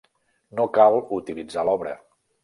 No cal utilitzar l'obra.